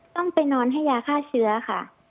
ต้องไปนอนให้ยาฆ่าเชื้อค่ะ